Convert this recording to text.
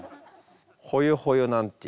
「ほよほよ」なんていうね